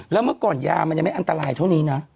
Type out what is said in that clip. แล้วเมื่อก่อนยามันยังไม่อันตรายเท่านี้นะ